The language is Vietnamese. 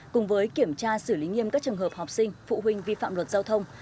cùng với kiểm tra xử lý nghiêm các trường hợp học sinh phụ huynh vi phạm luật giao thông